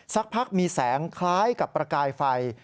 สักพักมีแสงคล้ายกับประกายไฟ